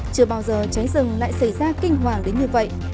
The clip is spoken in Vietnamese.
chưa bao giờ cháy rừng lại xảy ra kinh hoàng đến như vậy